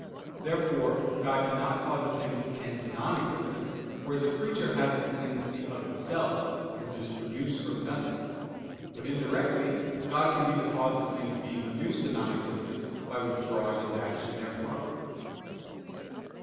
Therefore God cannot cause a thing to tend to non existence, whereas a creature has this tendency of itself, since it is produced from nothing. But indirectly God can be the cause of things being reduced to non existence, by withdrawing His action therefrom.